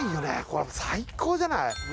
これ最高じゃない？